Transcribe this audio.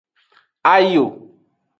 Ayo.